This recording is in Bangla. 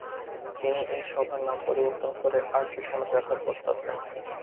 তিনি এই সভার নাম পরিবর্তন করে আর্যসমাজ রাখার প্রস্তাব দেন।